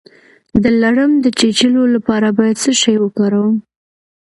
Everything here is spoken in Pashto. د لړم د چیچلو لپاره باید څه شی وکاروم؟